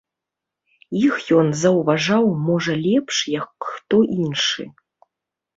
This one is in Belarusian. Іх ён заўважаў, можа, лепш, як хто іншы.